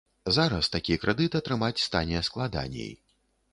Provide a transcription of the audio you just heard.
Зараз такі крэдыт атрымаць стане складаней.